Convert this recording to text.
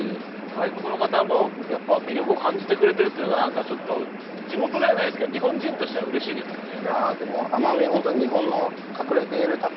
外国の方もやっぱ魅力を感じてくれてるっていうのが何かちょっと地元ではないですけど日本人としてはうれしいですよね。